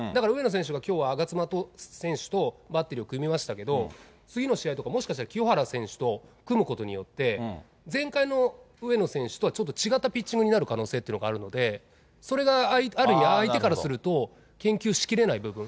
だから、きょうは我妻選手とバッテリーを組みましたけど、次の試合とか、もしかしたら清原選手と組むことによって、前回の上野選手とはちょっと違ったピッチングになる可能性があるので、それがある意味、相手からすると研究しきれない部分。